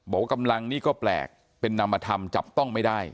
บอกว่ากำลังนี่ก็แปลกเป็นนำมาธรรมจับต้องไม่ได้